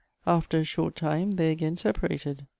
After a short time they again separated.